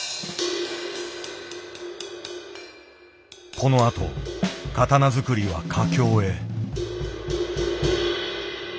このあと刀作りは佳境へ。